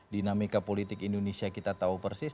dinamika politik indonesia kita tahu persis